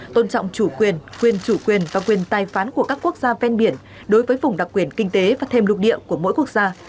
tôn trọng chủ quyền quyền chủ quyền và quyền tài phán của các quốc gia ven biển đối với vùng đặc quyền kinh tế và thêm lục địa của mỗi quốc gia